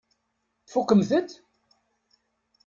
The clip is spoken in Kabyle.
Tfukkemt-t?